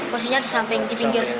posisinya di samping di pinggir